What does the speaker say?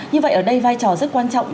như vậy ở đây vai trò rất quan trọng